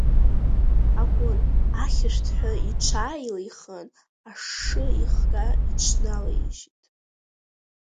Акәын ахьышәҭҳәа иҽааилихын, ашшы ихга иҽналаижьит.